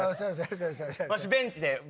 わしベンチで。